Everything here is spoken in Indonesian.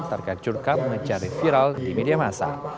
terkait jurkam mencari viral di media masa